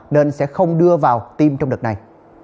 nên sẽ không đưa vào tiêm trong đợt này